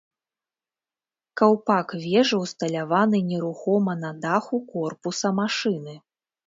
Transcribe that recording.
Каўпак вежы ўсталяваны нерухома на даху корпуса машыны.